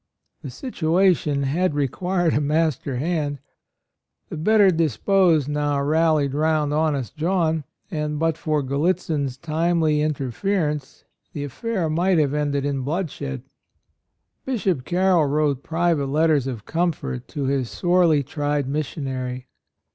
The situation had re quired a master hand. The better disposed now rallied AND MOTHER. 103 round honest John, and but for Gallitzin's timely interfer ence the affair might have ended in bloodshed. Bishop Carroll wrote private letters of comfort to his sorely tried missionary.